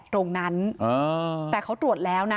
ตรงนั้นแต่เขาตรวจแล้วนะ